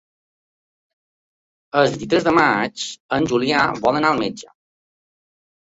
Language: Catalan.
El vint-i-tres de maig en Julià vol anar al metge.